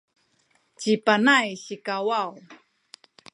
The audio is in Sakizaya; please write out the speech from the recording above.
ci Panay sikawaw